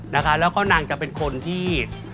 แล้วก็นางจะเป็นคนที่